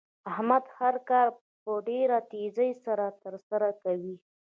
احمد هر کار په ډېرې تېزۍ سره تر سره کوي.